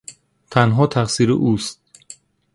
تنها تقصیر اوست.